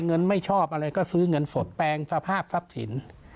ไม่ชอบอะไรก็ซื้อเงินสดแปลงสภาพทรัพย์สิน